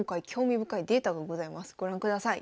ご覧ください。